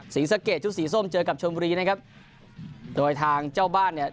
ศรีสะเกดชุดสีส้มเจอกับชนบุรีนะครับโดยทางเจ้าบ้านเนี่ย